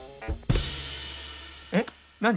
えっ何？